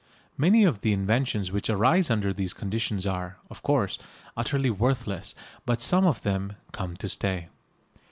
Many of the inventions which arise under these conditions are, of course, utterly worthless, but some of them "come to stay."